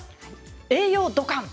栄養ドカン！